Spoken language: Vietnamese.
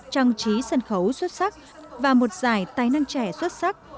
trang trí sân khấu xuất sắc và một giải tài năng trẻ xuất sắc